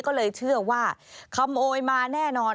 ก็เลยเชื่อว่าขโมยมาแน่นอน